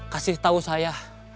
kasih tahu saya